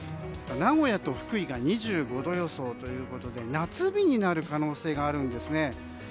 名古屋と福井が２５度予想ということで夏日になる可能性があるんですね。